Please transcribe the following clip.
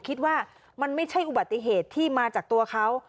คิดว่ามันไม่ใช่อุบัติเหตุที่มาจากตัวเขา